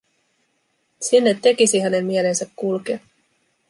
Sinne tekisi hänen mielensä kulkea.